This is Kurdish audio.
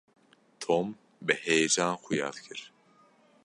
Tom bi heyecan xuya dikir.